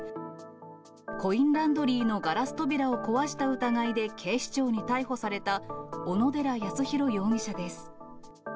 コインランドリーのガラス扉を壊した疑いで警視庁に逮捕された、小野寺康洋容疑者です。